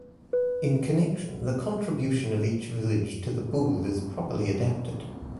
In connection the contribution of each village to the Boule is properly adapted.